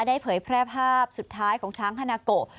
เผยแพร่ภาพสุดท้ายของช้างฮานาโก